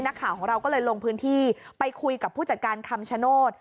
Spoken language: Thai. นักข่าวของเราก็เลยลงพื้นที่ไปคุยกับผู้จัดการคำชโนธ